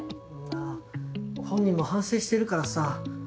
なあ本人も反省してるからさ。